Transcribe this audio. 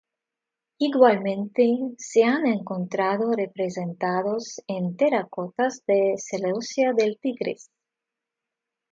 Igualmente se han encontrado representados en terracotas de Seleucia del Tigris.